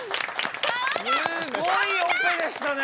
すごいオペでしたね！